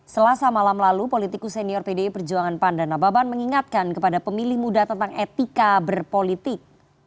selasa malam lalu politikus senior pdi perjuangan panda nababan mengingatkan kepada pemilih muda tentang etika berpolitik